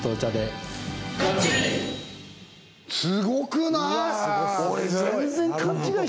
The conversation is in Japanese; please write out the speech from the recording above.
すごくない？